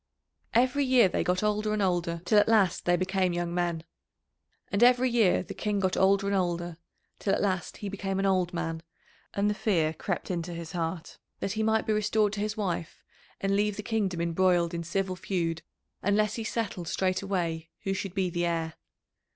Every year they got older and older till at last they became young men. And every year the King got older and older till at last he became an old man, and the fear crept into his heart that he might be restored to his wife and leave the kingdom embroiled in civil feud unless he settled straightway who should be the heir.